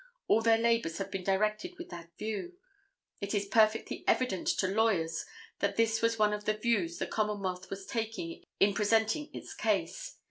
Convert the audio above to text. All their labors have been directed with that view. It is perfectly evident to lawyers that this was one of the views the Commonwealth was taking in presenting its case.